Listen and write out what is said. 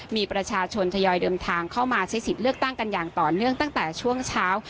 มีประชาชนทยอยเดินทางเข้ามาใช้สิทธิ์เลือกตั้งกันอย่างต่อเนื่องตั้งแต่ช่วงเช้า